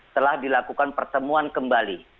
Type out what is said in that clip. telah dilakukan pertemuan kembali